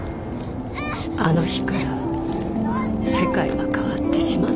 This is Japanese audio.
あの日から世界は変わってしまった。